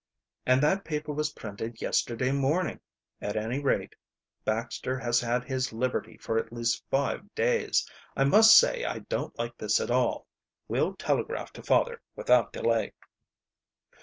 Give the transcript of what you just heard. "And that paper was printed yesterday morning. At any rate, Baxter has had his liberty for at least five days. I must say I don't like this at all. We'll telegraph to father without delay."